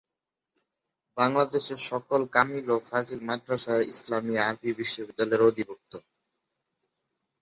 বাংলাদেশের সকল কামিল ও ফাজিল মাদ্রাসা ইসলামি আরবি বিশ্ববিদ্যালয়ের অধিভুক্ত।